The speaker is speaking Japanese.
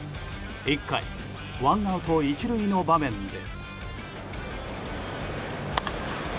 １回ワンアウト１塁の場面で。